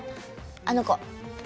あの子！